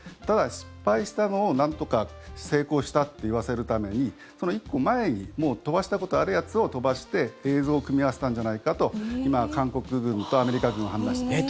ただ、失敗したのをなんとか成功したって言わせるためにその１個前にもう飛ばしたことあるやつを飛ばして映像を組み合わせたんじゃないかと今、韓国軍とアメリカ軍は判断して。